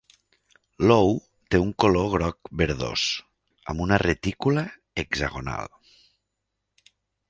L'ou té un color groc verdós, amb una retícula hexagonal.